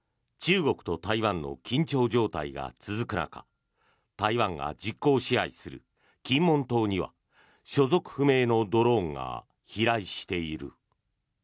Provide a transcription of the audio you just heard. このあとは中国と台湾の緊張状態が続く中台湾が実効支配する金門島には所属不明のドローンが飛来している。